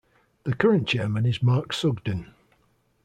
The current chairman is Mark Sugden.